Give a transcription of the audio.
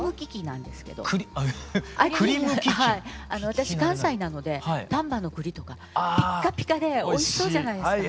私関西なので丹波の栗とかピッカピカでおいしそうじゃないですか。